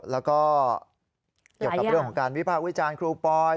แล้วก็เกี่ยวกับเรื่องของการวิพากษ์วิจารณ์ครูปอย